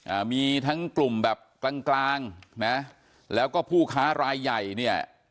อ่ามีทั้งกลุ่มแบบกลางกลางนะแล้วก็ผู้ค้ารายใหญ่เนี่ย